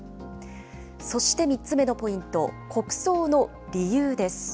そして３つ目のポイント、国葬の理由です。